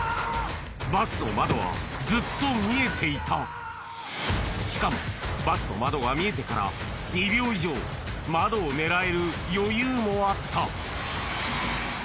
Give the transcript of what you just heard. ・バスの窓はずっと見えていたしかもバスの窓が見えてから２秒以上窓を狙える余裕もあった